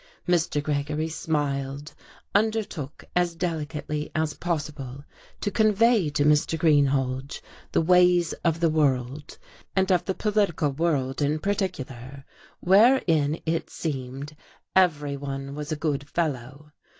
Mr. Gregory smiled; undertook, as delicately as possible, to convey to Mr. Greenhalge the ways of the world, and of the political world in particular, wherein, it seemed, everyone was a good fellow.